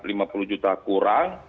kalau tadi dianggap